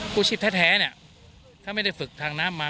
ผู้ชีพแท้เนี่ยถ้าไม่ได้ฝึกทางน้ำมา